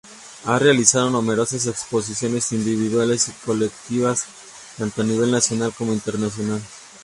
Ha realizado numerosas exposiciones individuales y colectivas, tanto a nivel nacional como internacional.